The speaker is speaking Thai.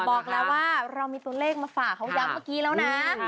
บอกแล้วว่าเรามีตัวเลขมาฝากเขาย้ำเมื่อกี้แล้วนะ